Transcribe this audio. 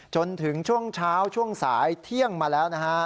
จนถึงช่วงเช้าช่วงสายเที่ยงมาแล้วนะฮะ